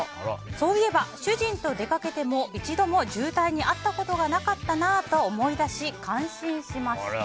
そういえば主人と出かけても一度も渋滞にあったことがなかったなと思い出し、感心しました。